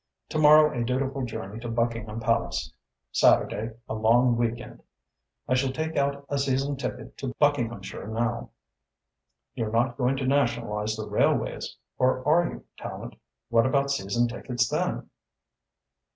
To morrow a dutiful journey to Buckingham Palace, Saturday a long week end. I shall take out a season ticket to Buckinghamshire now. You're not going to nationalise the railways or are you, Tallente; what about season tickets then?"